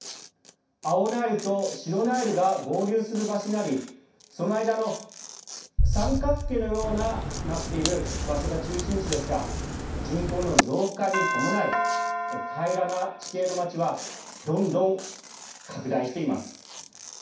青ナイルと白ナイルが合流する場所にありその間の三角形のようになっている場所が中心地ですが人口の増加に伴い、平らな地形の街は、どんどん拡大しています。